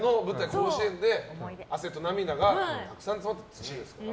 甲子園で、汗と涙がたくさん詰まった土ですから。